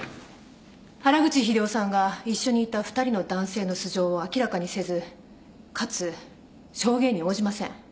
原口秀夫さんが一緒にいた２人の男性の素性を明らかにせずかつ証言に応じません。